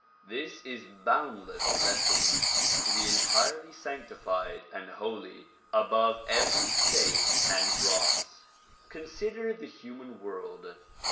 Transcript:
This is boundless blessing ; to be entirely sanctified and holy above every stain and dross. Consider the human world.